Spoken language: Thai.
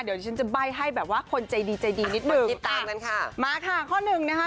เดี๋ยวฉันจะใบ้ให้แบบว่าคนใจดีใจดีนิดหนึ่งมาค่ะข้อหนึ่งนะฮะ